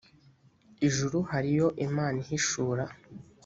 ijuru hariyo imana ihishura